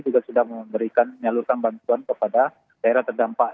juga sudah memberikan menyalurkan bantuan kepada daerah terdampak